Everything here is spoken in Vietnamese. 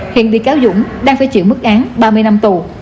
hiện bị cáo dũng đang phải chịu mức án ba mươi năm tù